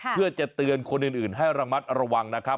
เพื่อจะเตือนคนอื่นให้ระมัดระวังนะครับ